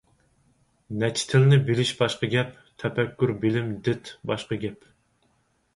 نەچچە تىلنى بىلىش باشقا گەپ، تەپەككۇر، بىلىم، دىت باشقا گەپ.